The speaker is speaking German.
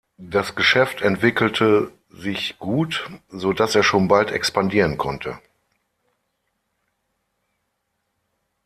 Das Geschäft entwickelte sich gut, so dass er schon bald expandieren konnte.